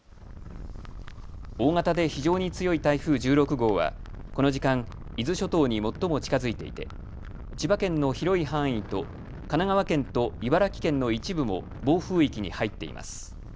大型で非常に強い台風１６号はこの時間、伊豆諸島に最も近づいていて千葉県の広い範囲と神奈川県と茨城県の一部も暴風域に入っています。